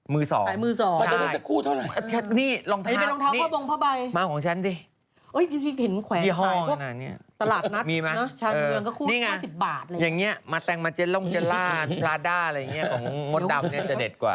มือสองใช่นี่รองเท้านี่มาของฉันดินี่ห้องน่ะเนี่ยมีมั้ยนี่ไงอย่างเงี้ยมาแต่งมาเจลล่องเจลล่าพลาด้าอะไรเงี้ยงดดำเนี่ยจะเด็ดกว่า